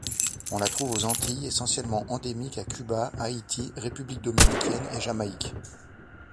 On la trouve aux Antilles essentiellement endémique à Cuba, Haïti, République dominicaine et Jamaïque.